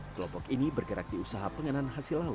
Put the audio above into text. kelompok ini bergerak di usaha pengenan hasil laut